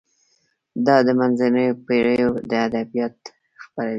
دا د منځنیو پیړیو ادبیات خپروي.